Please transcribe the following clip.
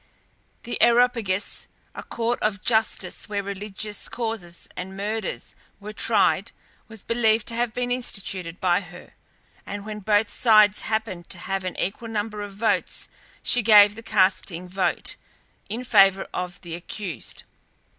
The Areopagus, a court of justice where religious causes and murders were tried, was believed to have been instituted by her, and when both sides happened to have an equal number of votes she gave the casting vote in favour of the accused.